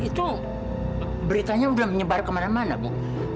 itu beritanya belum menyebar kemana mana bu